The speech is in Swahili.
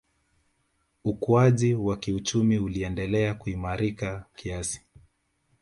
Ukuaji wa kiuchumi uliendelea kuimarika kiasi